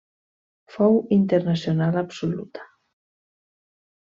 Fou internacional absoluta.